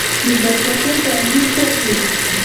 میربچه کوټ انګور ښه دي؟